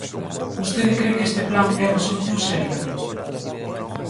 ¿Vostede cre que este plan é unha solución seria?